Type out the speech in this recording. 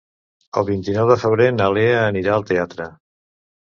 El vint-i-nou de febrer na Lea anirà al teatre.